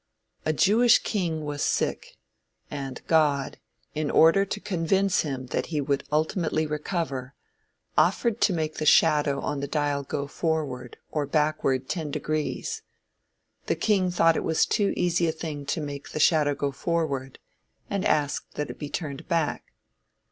A Jewish king was sick, and God, in order to convince him that he would ultimately recover, offered to make the shadow on the dial go forward, or backward ten degrees. The king thought it was too easy a thing to make the shadow go forward, and asked that it be turned back.